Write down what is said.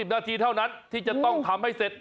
นาทีเท่านั้นที่จะต้องทำให้เสร็จ